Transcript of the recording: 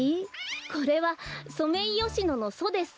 これはソメイヨシノのソです。